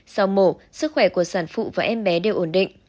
sau mổ sức khỏe của sản phụ và em bé đều ổn định